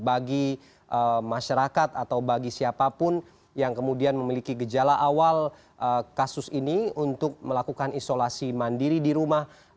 bagi masyarakat atau bagi siapapun yang kemudian memiliki gejala awal kasus ini untuk melakukan isolasi mandiri di rumah